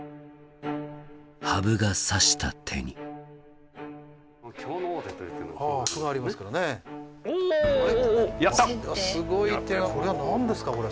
羽生が指した手に何ですかこれは？